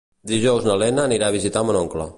Dijous na Lena anirà a visitar mon oncle.